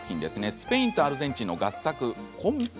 スペインとアルゼンチンの合作です。